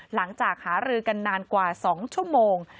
หลังจากหารือกันนานกว่า๒ชั่วโมง